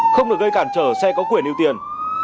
không được gây cản trở xe có quyền ưu tiên